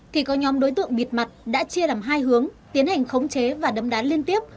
thì có nhóm đối tượng bịt mặt đã chia làm hai hướng tiến hành khống chế và đấm đá liên tiếp